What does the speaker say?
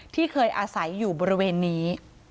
ที่เคยอาศัยอยู่บริเวณนี้